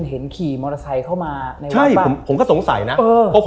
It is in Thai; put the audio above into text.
มันเห็นขี่มอเตอร์ไซส์เข้ามาในระบบว้าไปใช่ไหมค่ะ